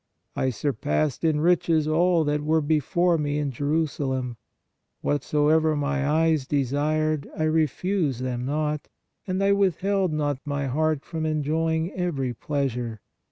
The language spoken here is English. " I surpassed in riches all that were before me in Jerusalem ... what soever my eyes desired, I refused them not; and I withheld not my heart from enjoying every pleas ure.